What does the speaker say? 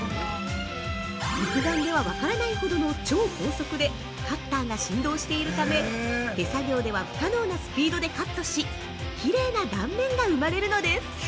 肉眼では分からないほどの超高速でカッターが振動しているため、手作業では不可能なスピードでカットしきれいな断面が生まれるのです。